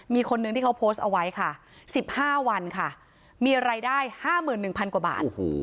มีคนนึงที่เขาโพสต์เอาไว้ค่ะ๑๕วันค่ะมีรายได้๕๑๐๐กว่าบาท